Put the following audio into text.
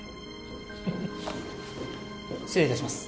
失礼いたします。